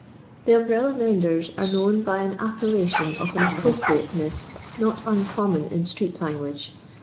The umbrella menders are known by an ap pellation of an appropriateness not uncommon in street language.